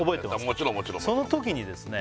もちろんもちろんそのときにですね